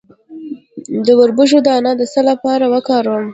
د وربشو دانه د څه لپاره وکاروم؟